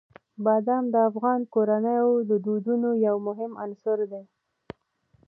بادام د افغان کورنیو د دودونو یو مهم عنصر دی.